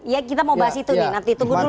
ya kita mau bahas itu nih nanti tunggu dulu